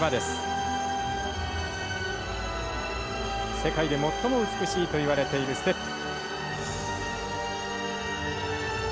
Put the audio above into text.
世界で最も美しいといわれているステップ。